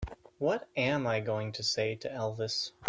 What am I going to say to Elvis?